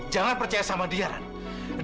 jangan percaya sama dia kan